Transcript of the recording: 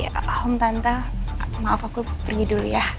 ya om tante maaf aku pergi dulu ya